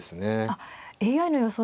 あっＡＩの予想